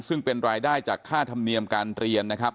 ซึ่งเป็นรายได้จากค่าธรรมเนียมการเรียนนะครับ